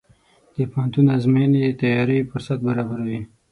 د پوهنتون ازموینې د تیاری فرصت برابروي.